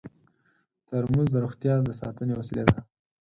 ترموز د روغتیا د ساتنې وسیله ده.